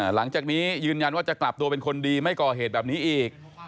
หลังจากนี้ยืนยันว่าจะกลับตัวเป็นคนดีไม่ก่อเหตุแบบนี้อีก